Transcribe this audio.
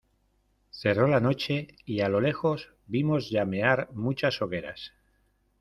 cerró la noche y a lo lejos vimos llamear muchas hogueras.